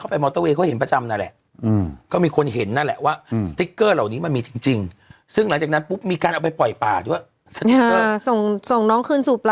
ก็ไม่มีอะไรก็เป็นเรื่องราวของ